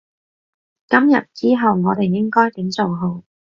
今日之後我哋應該點做好？